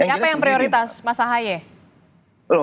apa yang prioritas mas ahaye